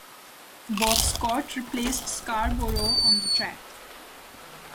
Bob Scott replaced Scarborough on the track.